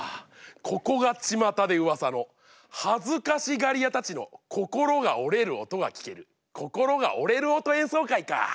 ここがちまたでうわさの恥ずかしがり屋たちの心が折れる音が聴ける心が折れる音演奏会か。